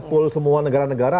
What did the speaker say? pool semua negara negara